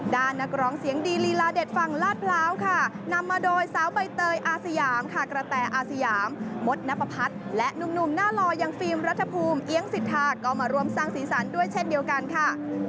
นักร้องเสียงดีลีลาเด็ดฝั่งลาดพร้าวค่ะนำมาโดยสาวใบเตยอาสยามค่ะกระแตอาสยามมดนับประพัฒน์และหนุ่มหน้าลอยังฟิล์มรัฐภูมิเอี๊ยงสิทธาก็มาร่วมสร้างสีสันด้วยเช่นเดียวกันค่ะ